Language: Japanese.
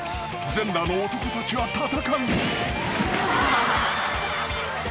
［全裸の男たちは戦う］